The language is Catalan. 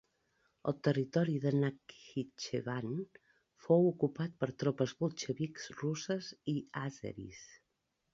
El territori de Nakhitxevan fou ocupat per tropes bolxevics russes i àzeris.